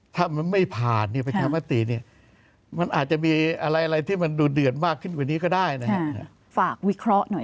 ถ้ามันไม่ผ่านเนี่ยประชามติเนี่ยมันอาจจะมีอะไรที่มันดูเดือดมากขึ้นกว่านี้ก็ได้นะฮะฝากวิเคราะห์หน่อย